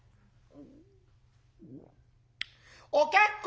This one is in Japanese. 「お結構！」